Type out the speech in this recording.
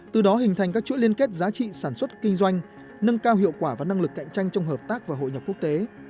từ đó hình thành các chuỗi liên kết giá trị sản xuất kinh doanh nâng cao hiệu quả và năng lực cạnh tranh trong hợp tác và hội nhập quốc tế